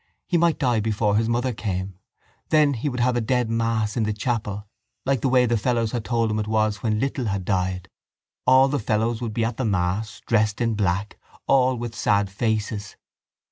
He might die before his mother came. Then he would have a dead mass in the chapel like the way the fellows had told him it was when Little had died. All the fellows would be at the mass, dressed in black, all with sad faces.